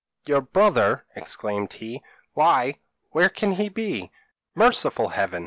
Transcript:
p> "'Your brother!' exclaimed he; 'why, where can he be?' "'Merciful Heaven!